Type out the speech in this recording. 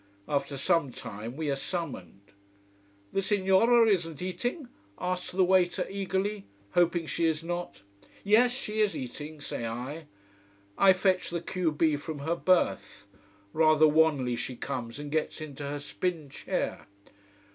After some time we are summoned. "The Signora isn't eating?" asks the waiter eagerly: hoping she is not. "Yes, she is eating," say I. I fetch the q b from her berth. Rather wanly she comes and gets into her spin chair.